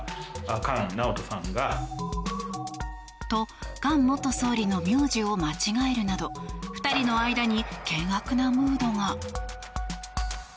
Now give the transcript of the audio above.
と、菅元総理の名字を間違えるなど２人の間に険悪なムードが。